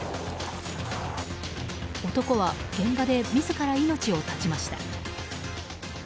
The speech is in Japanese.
男は現場で自ら命を絶ちました。